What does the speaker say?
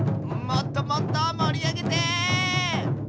もっともっともりあげて！